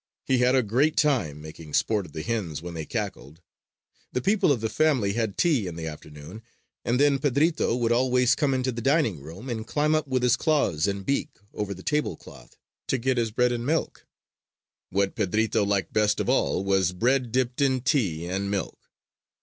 He had a great time making sport of the hens when they cackled. The people of the family had tea in the afternoon, and then Pedrito would always come into the dining room and climb up with his claws and beak over the tablecloth to get his bread and milk. What Pedrito liked best of all was bread dipped in tea and milk.